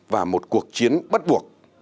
và một cuộc chiến bắt buộc